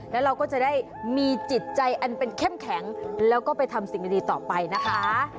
แล้วเราก็จะได้มีจิตใจอันเป็นเข้มแข็งแล้วก็ไปทำสิ่งดีต่อไปนะคะ